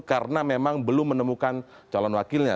karena memang belum menemukan calon wakilnya